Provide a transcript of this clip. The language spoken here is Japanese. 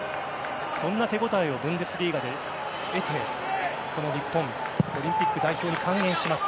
そんな手応えをブンデスリーガで得て日本オリンピック代表で還元します